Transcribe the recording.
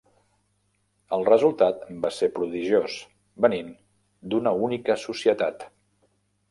El resultat va ser prodigiós, venint d'una única societat.